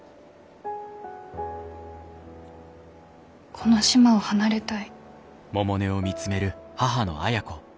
この島を離れたい。